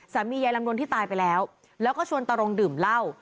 ยายลำดวนที่ตายไปแล้วแล้วก็ชวนตารงดื่มเหล้า